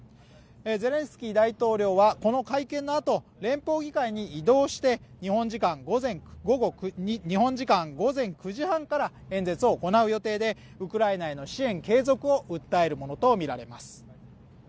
ゼレンスキー大統領はこの会見のあと連邦議会に移動して日本時間午前９時半から演説を行う予定で、ウクライナへの支援継続を訴えるものとみられます。